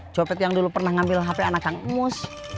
copet yang dulu pernah ngambil hp anak kang emus